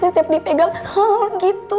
setiap dipegang gitu